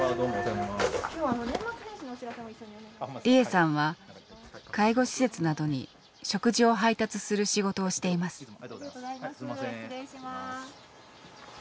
利枝さんは介護施設などに食事を配達する仕事をしています。